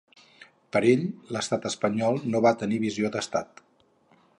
Per ell, l’estat espanyol no va tenir visió d’estat.